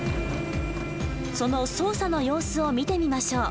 その操作の様子を見てみましょう。